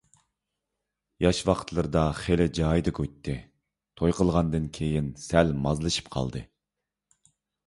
ياش ۋاقىتلىرىدا خېلى جايىدا گۇيتى، توي قىلغاندىن كېيىن سەل مازلىشىپ قالدى.